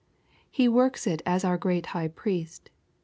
He works it as our great High Priest.